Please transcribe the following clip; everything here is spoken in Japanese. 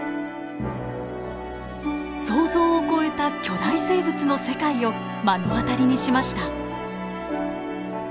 想像を超えた巨大生物の世界を目の当たりにしました。